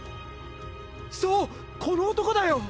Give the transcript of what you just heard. そうこの男だよ！